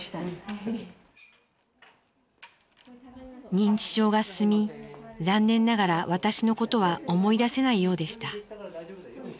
認知症が進み残念ながら私のことは思い出せないようでした。